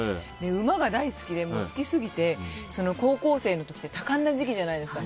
馬が大好きで、好きすぎて高校生の時って多感な時期じゃないですか。